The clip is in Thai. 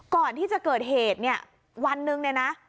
ก่อนที่จะเกิดเหตุเนี่ยวันหนึ่งเนี่ยนะ